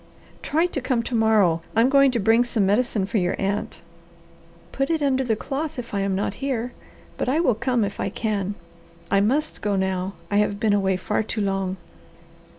"Try to come to morrow. I am going to bring some medicine for your aunt." "Put it under the cloth if I am not here; but I will come if I can. I must go now; I have been away far too long."